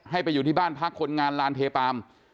ให้ไปอยู่ที่บ้านพักคนงานลานเทปาล์ม